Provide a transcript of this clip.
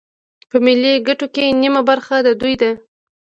په ملي ګټو کې نیمه برخه د دوی ده